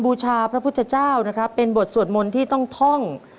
บูชาพระพุทธเจ้านะครับเป็นบทสวดมนต์ที่ต้องท่อง